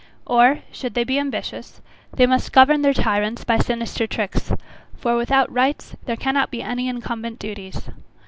Or should they be ambitious, they must govern their tyrants by sinister tricks, for without rights there cannot be any incumbent duties.